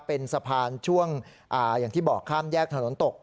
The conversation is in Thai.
เป็นสะพานช่วงอย่างที่บอกข้ามแยกถนนตก